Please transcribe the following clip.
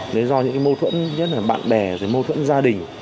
nếu do những mâu thuẫn nhất là bạn bè mâu thuẫn gia đình